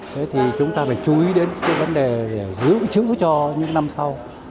thế thì chúng ta phải chú ý đến cái vấn đề để giữ chữ cho những năm sau